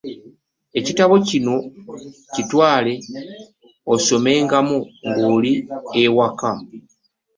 Ekitabo kino kitwale osomengamu ng'oli ewaka.